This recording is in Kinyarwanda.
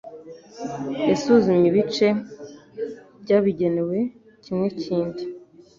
Yasuzumye ibice byabigenewe kimwekindi